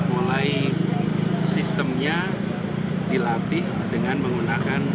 mulai sistemnya dilatih dengan menggunakan